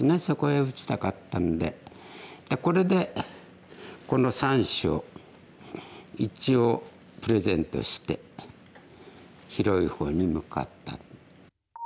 そこへ打ちたかったんでこれでこの３子を一応プレゼントして広い方に向かった。